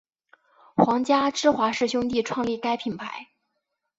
皇家芝华士兄弟创立该品牌。